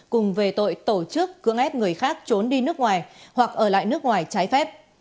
cùng về tội tổ chức cưỡng ép người khác trốn đi nước ngoài hoặc ở lại nước ngoài trái phép